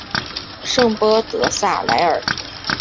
圣波德萨莱尔。